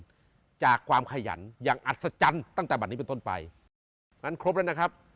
เงินจากความขยันอย่างอัตสจันต์ตั้งแต่วันนี้พศไปอันครบแล้วน่ะครับ